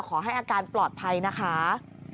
ขอให้อาการปลอดภัยนะคะ